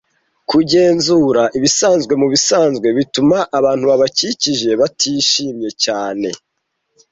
Kugenzura ibisanzwe mubisanzwe bituma abantu babakikije batishimye cyane.